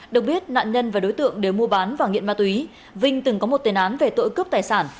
được biết nạn nhân và đối tượng đều mua bán và nghiện ma túy vinh từng có một tên án về tội cướp tài sản